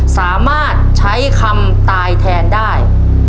สามารถใช้คำตายแทนได้